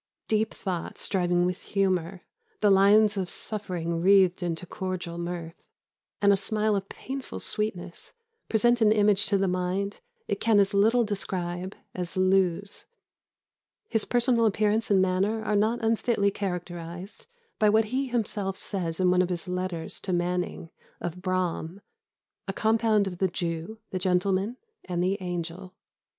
Deep thought striving with humour, the lines of suffering wreathed into cordial mirth, and a smile of painful sweetness, present an image to the mind it can as little describe as lose. His personal appearance and manner are not unfitly characterised by what he himself says in one of his letters to Manning, of Braham, 'a compound of the Jew, the gentleman, and the angel.